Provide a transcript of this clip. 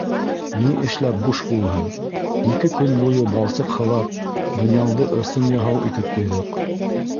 Ни эшләп буш булһын, ике көн буйы балсыҡ һылап донъяңды ысынъяһау итеп ҡуйҙыҡ.